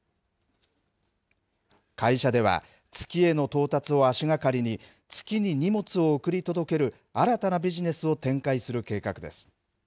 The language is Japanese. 会社では、月への到達を足がかりに、月に荷物を送り届ける新たなビジネスを展開する計画です。